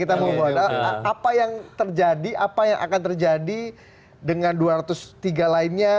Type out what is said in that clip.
apa yang terjadi apa yang akan terjadi dengan dua ratus tiga lainnya